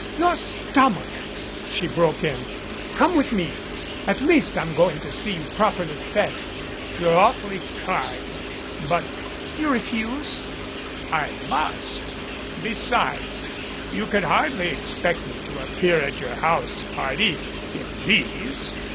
"Your stomach!" she broke in. "Come with me. At least I'm going to see you properly fed." 209 MADCAP "You're awfully kind, but " "You refuse?" "I must besides, you could hardly expect me to appear at your house party in these."